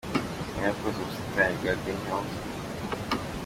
Niwe wakoze ubusitani bwa Green Hills.